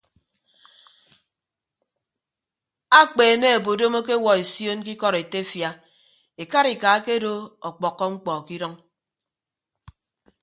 Akpeene obodom akewuọ esion ke ikọdetefia ekarika akedo ọkpọkkọ mkpọ ke idʌñ.